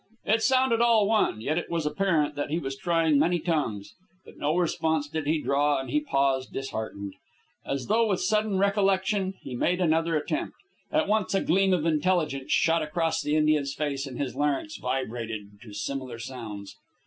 It sounded all one, yet it was apparent that he was trying many tongues. But no response did he draw, and he paused disheartened. As though with sudden recollection, he made another attempt. At once a gleam of intelligence shot across the Indian's face, and his larynx vibrated to similar sounds.